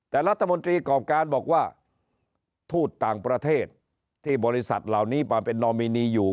แต่รัฐมนตรีกรอบการบอกว่าทูตต่างประเทศที่บริษัทเหล่านี้มาเป็นนอมินีอยู่